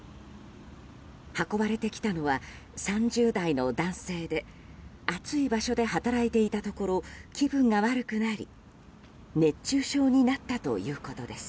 運ばれてきたのは３０代の男性で暑い場所で働いていたところ気分が悪くなり熱中症になったということです。